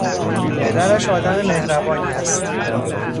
پدرش آدم مهربانی است.